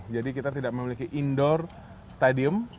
jadi kita tidak memiliki indoor stadium